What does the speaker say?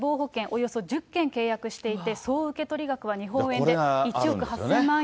およそ１０件契約していて、総受け取り額は日本円で１億８０００万円。